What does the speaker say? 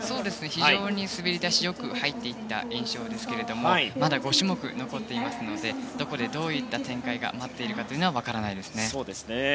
非常に滑り出しよく入っていった印象ですけれどもまだ５種目残っていますのでどこでどういった展開が待っているかというのは分からないですね。